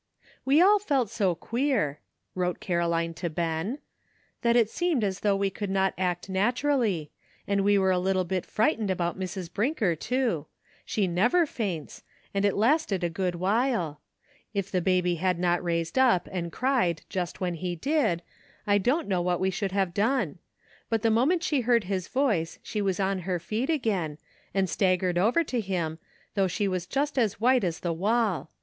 "We all felt so queer" [wrote Caroline to Ben] "that it seemed as though we could not act naturally; and we were a little bit frightened about Mrs. Brinker, too; she never faints, and it lasted a good while; if the baby had not raised up and cried just when he did I don't know what we should have done; but the moment she heard his voice she was on her feet again, and staggered over to him, though she was just as ■white as the wall.